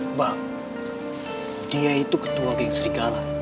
mbak dia itu ketua geng serikala